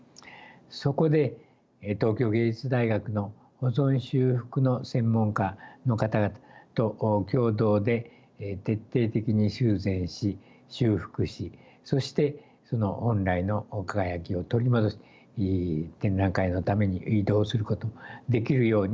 そこで東京藝術大学の保存修復の専門家の方々と共同で徹底的に修繕し修復しそして本来の輝きを取り戻し展覧会のために移動することもできるようになりました。